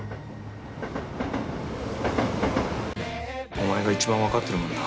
お前が一番わかってるもんな。